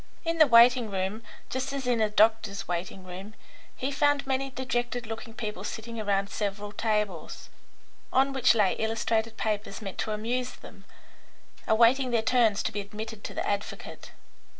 In the waiting room, just as in a doctor's waiting room, he found many dejected looking people sitting round several tables, on which lay illustrated papers meant to amuse them, awaiting their turns to be admitted to the advocate.